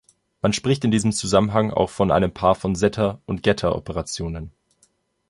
Man spricht in diesem Zusammenhang auch von einem Paar von "Setter"- und "Getter"-Operationen.